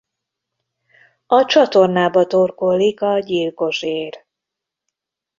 A csatornába torkollik a Gyilkos-ér.